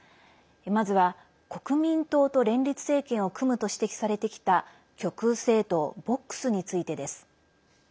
まずは国民党と連立政権を組むと指摘されてきた極右政党ボックスについてです。